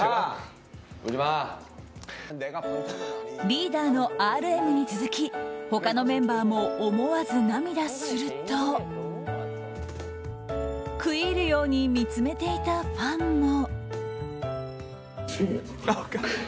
リーダーのＲＭに続き他のメンバーも思わず涙すると食い入るように見つめていたファンも。